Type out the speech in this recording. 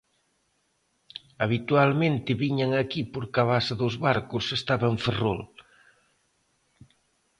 Habitualmente viñan aquí porque a base dos barcos estaba en Ferrol.